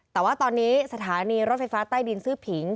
แต่ว่าตอนนี้สถานีรถไฟฟ้าใต้ดินซื้อผิง